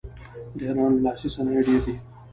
د ایران لاسي صنایع ډیر دي.